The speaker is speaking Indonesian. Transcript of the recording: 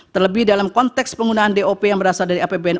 terlebih dalam konteks penggunaan dop yang berasal dari apbn